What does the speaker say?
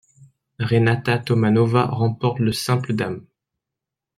Renáta Tomanová remporte le simple dames.